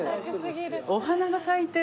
お花が咲いてる。